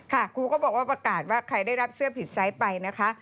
ครูก็บอกว่าประกาศว่าใครได้รับเสื้อผิดไซส์ไปนะคะ